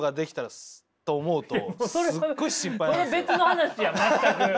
それは別の話やん全く。